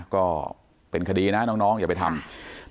ก็เป็นคดีนะน้องอย่าไปทำ